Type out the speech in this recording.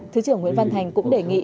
thứ trưởng nguyễn văn thành cũng đề nghị